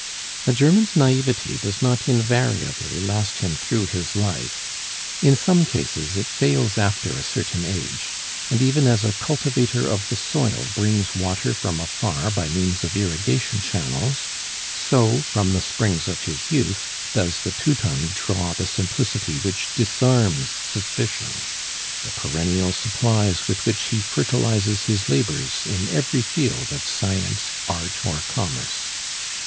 A German's naivete does not invariably last him through his life; in some cases it fails after a certain age; and even as a cultivator of the soil brings water from afar by means of irrigation channels, so, from the springs of his youth, does the Teuton draw the simplicity which disarms suspicion the perennial supplies with which he fertilizes his labors in every field of science, art, or commerce.